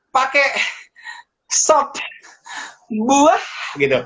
pake sop buah gitu